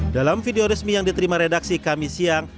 dalam video resmi yang diterima redaksi kami siang